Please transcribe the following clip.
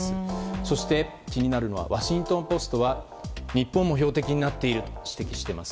そして、気になるのはワシントン・ポストは日本も標的になっていると指摘しています。